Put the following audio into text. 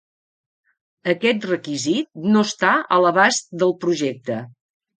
Aquest requisit no està a l'abast del projecte.